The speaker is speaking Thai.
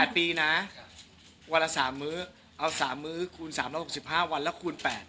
๘ปีนะวันละ๓มื้อเอา๓มื้อคูณ๓๖๕วันแล้วคูณ๘